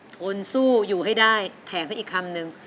ทนสู้อยู่ให้ได้แถมให้อีกคำนึง